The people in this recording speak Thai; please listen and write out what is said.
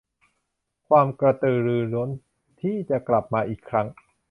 ความกระตือรือร้นที่จะกลับมาอีกครั้ง